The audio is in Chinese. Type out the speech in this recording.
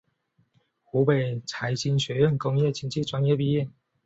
湖北财经学院工业经济专业毕业。